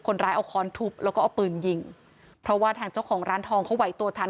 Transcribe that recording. คนร้ายเอาค้อนทุบแล้วก็เอาปืนยิงเพราะว่าทางเจ้าของร้านทองเขาไหวตัวทัน